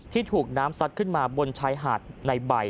ถูกน้ำซัดขึ้นมาบนชายหาดในใบ